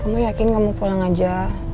kamu yakin kamu pulang aja